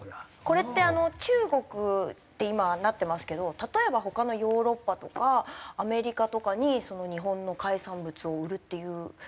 これって中国って今はなってますけど例えば他のヨーロッパとかアメリカとかに日本の海産物を売るっていう事をもっと。